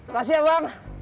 kasih ya bang